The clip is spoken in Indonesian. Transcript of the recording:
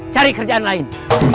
cari kerjaan lain